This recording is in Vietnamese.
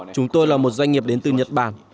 chúng tôi là một doanh nghiệp đến từ nhật bản